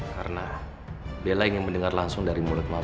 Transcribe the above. karena bella ingin mendengar langsung dari mulut mama